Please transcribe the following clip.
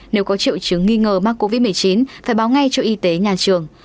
nếu có triệu chứng nghi ngờ mắc covid một mươi chín phải báo ngay cho y tế nhà trường